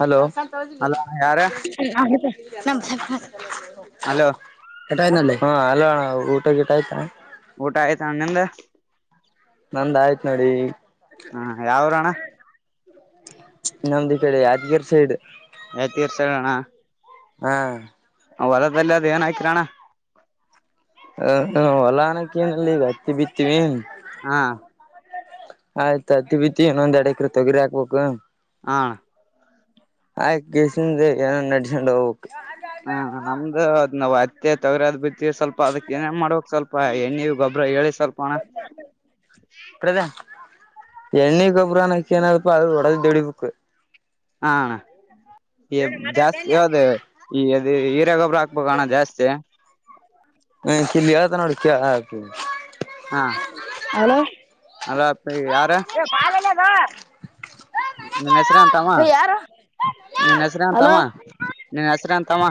hello ನ hello ಯಾರ [inaudible] hello ಹಟಾನಲ್ಲೆ ಹಾ ಹಲೋ ಊಟ ಗಿಟ ಆಯ್ತಾ ಊಟ ಆಯ್ತು ನಿಮ್ದು ನಂದ ಆಯ್ತ್ ನೋಡಿ ಹ್ಮ ಯಾವ್ರಣ್ಣ ನಮ್ದು ಕಡೆ ಯಾದ್ಗಿರ್ ಸೈಡ್ [unintelligible] ತೀರ್ಚಣ ಹಾ ಹೊರದಲ್ಲಿ ಅದ್ ಏನ್ ಆಯ್ತರಣ ಹ ಹೊಲಾನಕ್ಕಿನಲ್ಲಿ ಹತ್ತಿ ಬಿತ್ತೀವಿ ಹಾ ಆಯ್ತತಿ ಬಿತಿ ಇನ್ನೊಂದ್ ಎಡಕ್ರ ತೊಗಿರಿ ಹಾಕ್ಬೇಕು ಆನ್ [unintelligible] [unintelligible] ಆಯ್ ಕಸಿಂದ ಏನ ನಡ್ಸೊಂಡ್ ಹೋಗ್ಬೇಕು ಹ್ಮ ನಮ್ದು ಅದ್ ನಾವ ತ್ತೆ ತಗ್ರ ಅದ್ ಬಿಟ್ಟ ಸ್ವಲ್ಪ ಅದಕ್ಕೆ ಏನನ್ ಮಾಡ್ಬೇಕ್ ಸ್ವಲ್ಪ ಹೆಣ್ಣಿ ನೀವು ಗೊಬ್ಬ್ರ ಹೇಳಿ ಸ್ವಲ್ಪ ಅಣ ಎಣ್ಣಿಕಪರ ನಕ್ಕನಪ ಅದು ಹೋಡದಿದ್ದ ಇಡಿಬೇಕು ಹಾ ಅಣ್ಣಾ ಈ ಜಾಸ್ತಿ ಹದ ಈ ಇದೇ ಗೊಬ್ಬರ ಹಾಕ್ಬೇಕುಣ ಜಾಸ್ತಿ ಚಲ್ಲಿದ ನೋಡ ಕ ಹಾ ಹಲೋ ಅಲ್ಲ ಯಾರ ನಿನ್ ಹೆಸರೇನ ತಮ್ಮ ಯಾರು ನಿನ್ ಹೆಸರು ಹಲೋ ಅಂತಮ್ಮ ನೀನ್ ಹೆಸರುಂತಮ್ಮ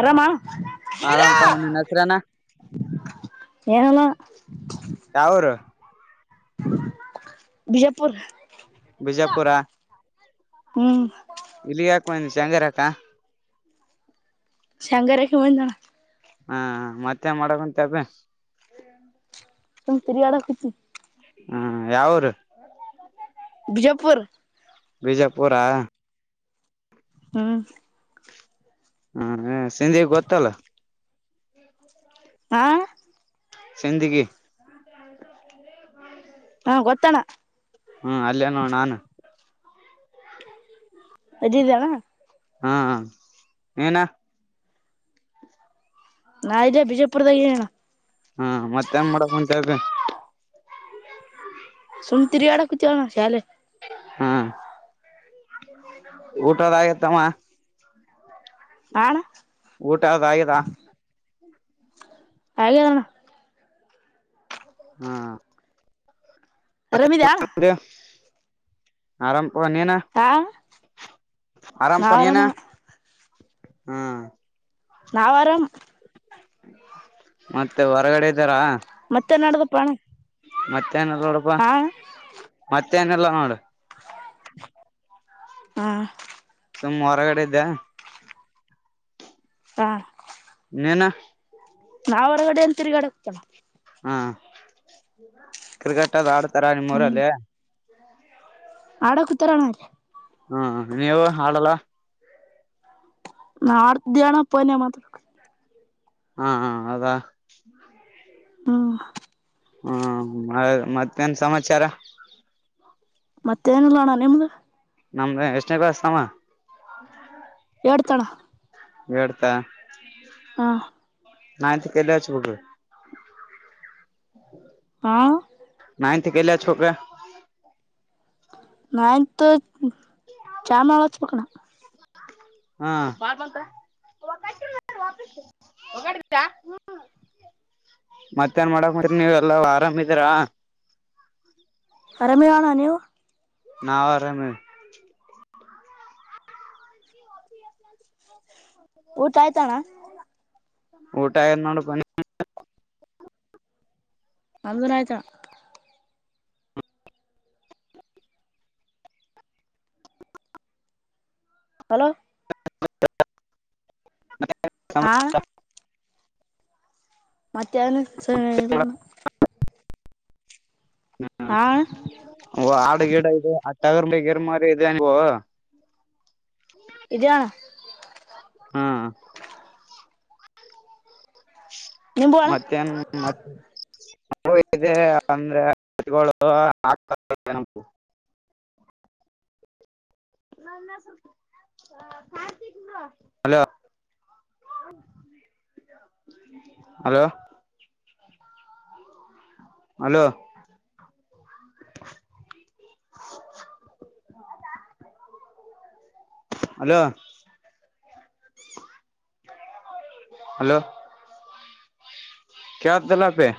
ಆರಾಮ ಆರಾಮಮ್ಮ ನಿನ್ ಹೆಸರನ ಏನಿಲ್ಲ ಯಾವರು ಬಿಜಾಪುರ್ ಬಿಜಾಪುರ ಹ್ಮ್ ಇಲ್ಲಿ ಯಾಕ ಬಂದಿಯಾ ಶೆಂಗಾರಾಕ ಶ್ಯಾಂಗಾರಕ್ಕ ಬಂದಿನಿ ಅಣ್ಣಾ [unintelligible] ಹಾ ಮತ್ತೆ ಮಾಡಕುಂತಿ ಅಪ್ಪಿ ಸುಮ್ ತಿಗ್ರಡಕುಂತಿನಿ ಹ್ಮ್ ಯಾವೂರು ಬಿಜೆಪುರ್ ಬಿಜಾಪುರ ಹ್ಮ್ ಹ್ಮ ಸಿಂಧಿ ಗೊತ್ತಲ್ಲ ಆ ಸೆಂದಿಗಿ ಹಾ ಗೊತ್ತ ಅಣ್ಣ ಹ್ಮ್ ಅಲ್ಲೇ ನೋಡ್ ನಾನು ಮದಿದ್ದಾನ ಹಾ ನೀನಾ ನಜ ಬಿಜೆಪುರದ ಹಣ [unintelligible] ಹಾ ಮತ್ತೆನ್ ಮಾಡಕ್ ಕುಂತಿ ಅಪ್ಪಿ ಸುಮ್ ತಿರ್ಗಾಡ್ ಕುಂತಿನಿ ಅಣ್ಣ ಶಾಲೆ ಹ್ಮ್ ಊಟ ಅದ್ ಆಗ್ಯಾತಿ ಅಣ್ಣ ಆ ಅಣ್ಣ ಊಟ ಆದ ಆಗಿದ ಹಾಗಿದ್ ಅಣ್ಣ ಹ್ಮ್ ಅರಾಮ್ ಇದ್ದೀಯ ಅಣ್ಣ ಆರಂ ಅರಾಮ್ ನೀನ ಆರಾಮ್ ಪಾ ನಾವ್ ನೀನು ಆರಾಮಣ ಹ್ಮ್ ನಾವ ಅರಾಮ್ ಮತ್ತೆ ಹೊರಗಡೆ ಇದ್ದಾರಾ ಮತ್ತೆ ನಡ್ದಪ್ಪಣ ಮತ್ತೆ ಮತ್ ಏನಿಲ್ಲ ನೋಡಪ್ಪ ಮತ್ತೇನಿಲ್ಲ ನೋಡು ಹಾ ಸುಮ್ಮ್ ಹೊರಗಡೆ ಇದ್ದ್ಯಾ ಆ ನೀನಾ ನಾವ್ ಹೊರಗಡೆ ಎಲ್ ತಿರ್ಗಾಡ್ [unintelligible] ಹಾ ಕ್ರಿಕೆಟ್ದು ಆಡ್ತಾರ ನಿಮ್ಮೂರಲ್ಲಿ ಆಡೋ ಕುತರಣ್ರ ಅಲ್ಲಿ ಹಾ ನೀವು ಹಾಡಲ್ಲ ನಾಡ್್ದನಪ್ಪನ ಮಾತ್ರ [unintelligible] ಹಾ ಹ ಹೌದ ಹ್ಮ ನ್ ಸಮಾಚಾರ ಮತ್ತೆ ಏನಿಲ್ಲ ಅಣ್ಣ ನಿಮ್ದು ನಮ್ದ ಎಷ್ಟನೇ ಕ್ಲಾಸ್ ತಮ್ಮ ಏಟ್ತ ಅಣ್ಣ ಏಟ್ತಾ ಹಾ ನೈಂತ್ಕ ಎಲ್ಲಿ ಹಚ್ಬೇಕು ಹಾ ನೈಂತಿಕ ಎಲ್ಲಿ ಹಚ್ಬೇಕು ನೈಂತ ಚಾಮನಾಳ ಹಚ್ಚಬೇಕಣ್ಣ ಹ ಮತ್ತೇನ್ ಮಾಡಕ್ ನೀವೆಲ್ಲ ಆರಾಮಿದೀರಾ ಅರಮಿವ ಅಣ್ಣ ನೀವು ನಾವು ಅರಮಿ ಊಟ ಆಯ್ತಾನ ಊಟಾಯ ನಡು ಪನ ಅಂದನ ಆಯ್ತಾ ಹಲೋ ಹ [unintelligible] ಹಾ ಮತ್ತೆ ನ ಸಲ್ಲ ಹಾ ಆಡು ಗೇಡ ಇದೆ ತಗರ್ ಮ ಗರ್ ಮಾರಿ ಇ ಅಂಗೋ ಇದೆ ಅಣ್ಣ ಹ್ಮ್ ನಿಂಬು ಅಣ್ಣ ಮತ್ತೇನ್ ಮ ಇದೆ ಅಂದ್ರೆ [unintelligible] hello hello hello hello hello ಕೇಳುತ್ತಿದ್ದಿಲ್ಲ ಪಿ